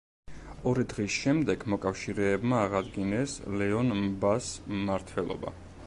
ორი დღის შემდეგ მოკავშირეებმა აღადგინეს ლეონ მბას მმართველობა.